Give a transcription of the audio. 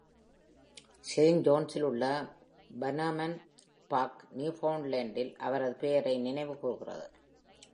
Saint ஜான்ஸில் உள்ள Bannerman park நியூஃபவுண்ட்லேண்டில் அவரது பெயரை நினைவுகூர்கிறது.